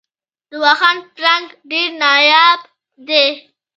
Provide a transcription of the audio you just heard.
د واخان پړانګ ډیر نایاب دی